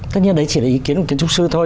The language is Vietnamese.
tất nhiên đấy chỉ là ý kiến của kiến trúc sư thôi